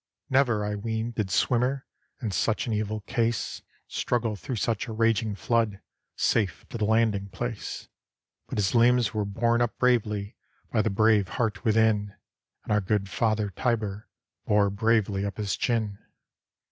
Never, I ween, did swimmer, In such an evil case, Struggle through such a raging flood Safe to the landing place: But his limbs were borne up bravely By the brave heart within, And our good father Tiber ' Bore bravely up his chin.